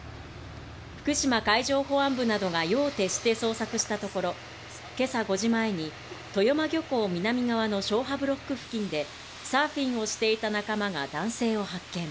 福島海上保安部などが夜を徹して捜索したところ、今朝５時前に豊間漁港南側の消波ブロック付近でサーフィンをしていた仲間が男性を発見。